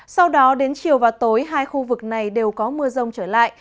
sau đó đến chiều và tối hai khu vực này đều có mưa rông trở lại